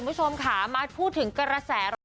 คุณผู้ชมค่ะมาพูดถึงกระแสร้อน